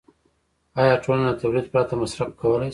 آیا ټولنه له تولید پرته مصرف کولی شي